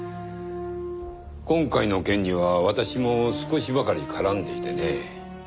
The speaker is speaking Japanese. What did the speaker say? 今回の件には私も少しばかり絡んでいてね。